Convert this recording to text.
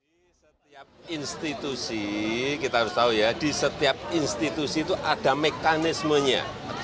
di setiap institusi kita harus tahu ya di setiap institusi itu ada mekanismenya